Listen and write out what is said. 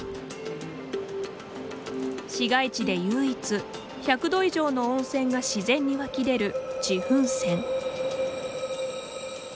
市街地で唯一、１００度以上の温泉が自然に湧き出る自噴泉。